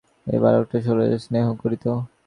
এই বালকটাকে শৈলজা স্নেহও করিত।